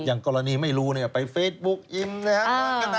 อย่างกรณีไม่รู้เนี่ยไปเฟซบุ๊กยิ้มนะครับ